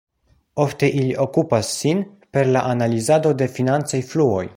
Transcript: Ofte ili okupas sin per la analizado de financaj fluoj.